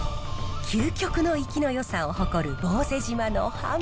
究極の生きのよさを誇る坊勢島のハモ。